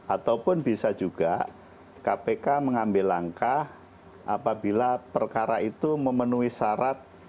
ataupun bisa juga kpk mengambil langkah apabila perkara itu memenuhi syarat